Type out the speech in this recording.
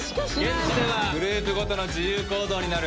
現地ではグループごとの自由行動になる。